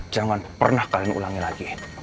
jangan pernah kalian ulangi lagi